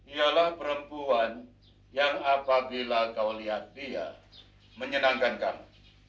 ialah perempuan yang apabila kau lihat dia menyenangkan kamu